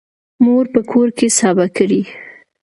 مور په کور کې سابه کري.